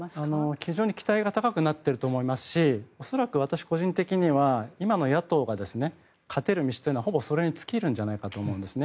非常に期待が高くなっていると思いますし私、個人的には今の野党が勝てる道というのはそれに尽きるんじゃないかと思うんですね。